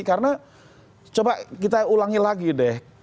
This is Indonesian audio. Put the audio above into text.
karena coba kita ulangi lagi deh